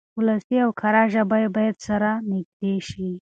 ولسي او کره ژبه بايد سره نږدې شي.